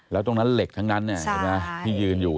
แล้วตรงนั้นเหล็กทั้งนั้นที่ยืนอยู่